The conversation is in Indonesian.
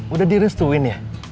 udah direstuin ya